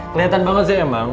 kelihatan banget sih emang